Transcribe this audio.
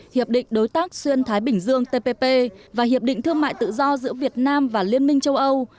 hiệp định đối tác xuyên thái bình dương tpp và hiệp định thương mại tự do giữa việt nam và liên minh châu âu